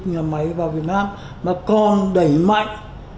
nhà máy vào việt nam mà còn đẩy mạnh